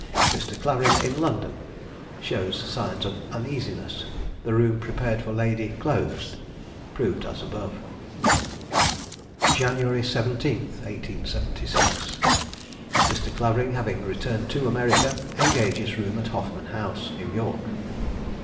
Mr. Clavering in London; shows signs of uneasiness; the room prepared for lady closed. Proved as above. "January 17, 1876. Mr. Clavering, having returned to America, engages room at Hoffman House, New York.